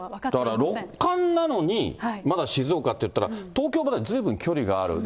だから六冠なのに、まだ静岡っていったら、東京までずいぶん距離がある。